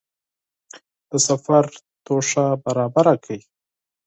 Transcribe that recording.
د سفر توښه برابره کړئ.